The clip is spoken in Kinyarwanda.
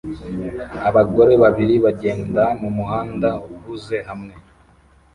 Abagore babiri bagenda mumuhanda uhuze hamwe